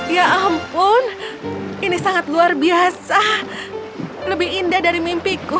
ya ampun ini sangat luar biasa lebih indah dari mimpiku